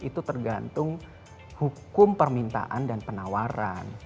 itu tergantung hukum permintaan dan penawaran